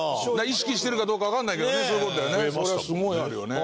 意識してるかどうかわかんないけどねそういう事だよね。